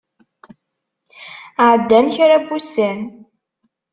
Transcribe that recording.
Ɛeddan kra n wussan.